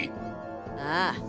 ああ。